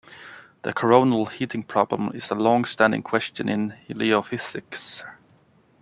The coronal heating problem is a longstanding question in heliophysics.